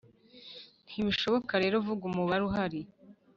ntibishoboka rero kuvuga umubare uhari.